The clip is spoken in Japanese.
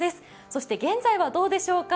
そして現在はどうでしょうか。